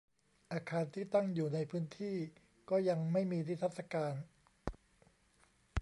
อาคารที่ตั้งอยู่ในพื้นที่ก็ยังไม่มีนิทรรศการ